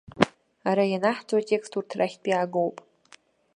Ара ианаҳҵо атекст урҭ рахьтә иаагоуп.